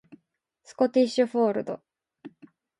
スコティッシュフォールド